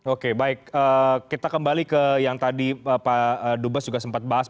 oke baik kita kembali ke yang tadi pak dubes juga sempat bahas